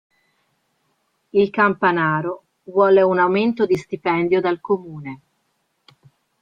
Il campanaro vuole un aumento di stipendio dal comune.